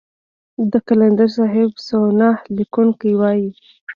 د قلندر صاحب سوانح ليکونکي وايي.